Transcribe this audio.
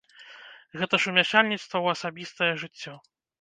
Гэта ж умяшальніцтва ў асабістае жыццё!